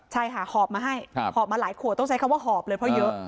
ใช่ค่ะหอบมาให้หอบมาหลายขวดต้องใช้คำว่าหอบเลยเพราะเยอะ